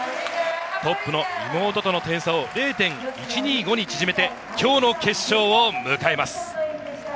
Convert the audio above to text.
トップの妹との点差を０．１２５に縮めて今日の決勝を迎えます。